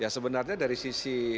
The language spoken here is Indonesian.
ya sebenarnya dari sisi